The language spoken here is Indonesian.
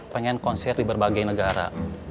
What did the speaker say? pengen konser di berbagai negara